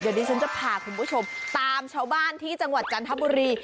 เดี๋ยวดิฉันจะพาคุณผู้ชมตามชาวบ้านที่จังหวัดจันทบุรี